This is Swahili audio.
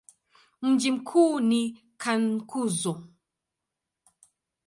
Mji mkuu ni Cankuzo.